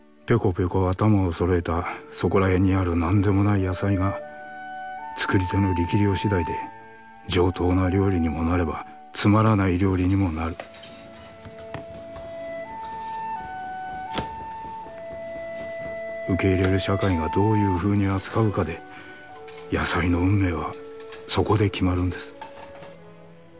ぴょこぴょこ頭を揃えたそこらへんにある何でもない野菜が作り手の力量次第で上等な料理にもなればつまらない料理にもなる受け入れる社会がどういうふうに扱うかで野菜の運命はそこで決まるんです。